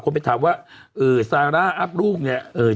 คนไปถามว่าเออสาระอับลูกเนี่ย